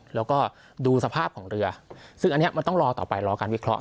แล้วก็ดูสภาพของเรือซึ่งอันนี้มันต้องรอต่อไปรอการวิเคราะห